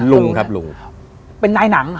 ลุงครับลุง